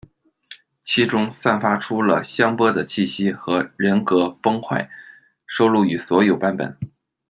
其中，《散发出了香波的气息》和《人格崩坏》收录于所有版本。